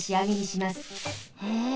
へえ。